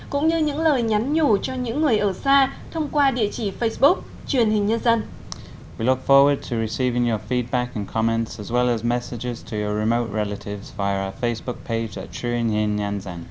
cũng như những lời nhắn nhủ cho những người ở xa thông qua địa chỉ facebook truyền hình nhân dân